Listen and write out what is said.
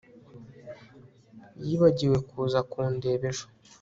Yibagiwe kuza kundeba ejo